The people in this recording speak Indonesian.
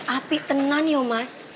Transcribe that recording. api tenang ya mas